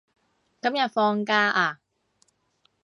今日放假啊？